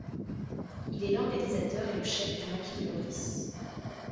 Il est l'organisateur, et le chef du maquis de Lorris.